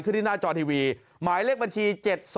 ขึ้นที่หน้าจอทีวีหมายเลขบัญชี๗๒๔๒๒๔๕๓๙๘